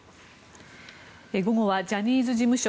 午後はジャニーズ事務所